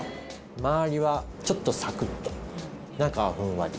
周りはちょっとサクっと中はふんわり。